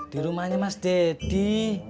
di rumahnya mas deddy